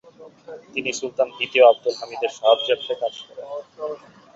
তিনি সুলতান দ্বিতীয় আবদুল হামিদের সাহায্যার্থে কাজ করেন।